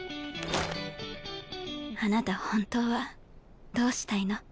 あなた本当はどうしたいの？